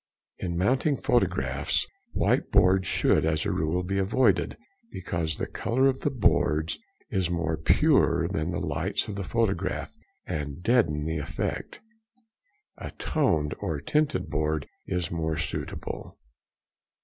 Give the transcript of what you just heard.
In mounting photographs, white boards should, as a rule, be avoided, because the colour of the boards is more pure than the lights of the photograph, and deaden the effect. A toned or tinted board is more suitable.